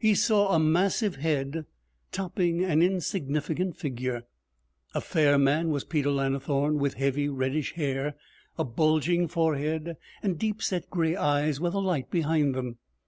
He saw a massive head topping an insignificant figure. A fair man was Peter Lannithorne, with heavy reddish hair, a bulging forehead, and deep set gray eyes with a light behind them.